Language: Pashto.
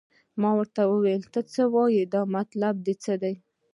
ما ورته وویل ته څه وایې او مطلب دې څه دی.